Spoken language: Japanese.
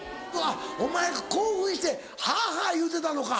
お前興奮してはぁはぁいうてたのか。